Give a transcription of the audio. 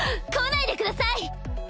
来ないでください！